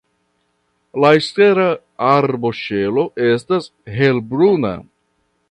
La ekstera arboŝelo estas helbruna.